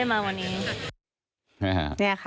ชอบค่ะสนุกดีรู้สึกดีใจมากค่ะ